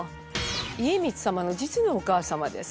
家光様の実のお母様です。